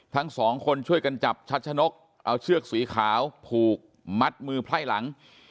ทั้งสองคนช่วยกันจับชัดชะนกเอาเชือกสีขาวผูกมัดมือไพร่หลัง